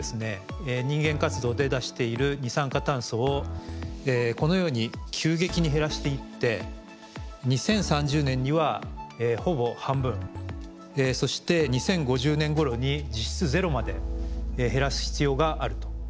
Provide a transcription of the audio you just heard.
人間活動で出している二酸化炭素をこのように急激に減らしていって２０３０年にはほぼ半分そして２０５０年ごろに実質ゼロまで減らす必要があると。